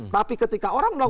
tapi ketika orang melakukan